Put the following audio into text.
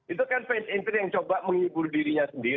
itu kan fans interi yang coba menghibur dirinya sendiri